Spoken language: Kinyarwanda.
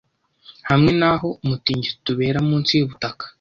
hamwe n’aho umutingito ubera munsi yubutaka